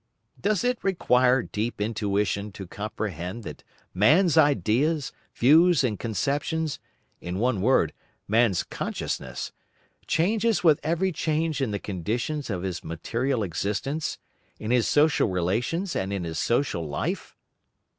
Does it require deep intuition to comprehend that man's ideas, views and conceptions, in one word, man's consciousness, changes with every change in the conditions of his material existence, in his social relations and in his social life?